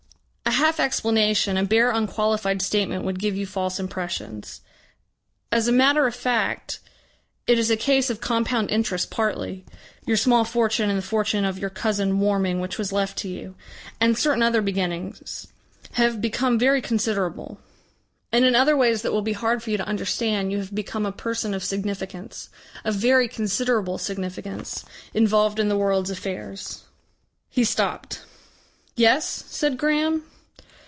A half explanation, a bare unqualified statement would give you false impressions. As a matter of fact it is a case of compound interest partly your small fortune, and the fortune of your cousin Warming which was left to you and certain other beginnings have become very considerable. And in other ways that will be hard for you to understand, you have become a person of significance of very considerable significance involved in the world's affairs." He stopped. "Yes?" said Graham.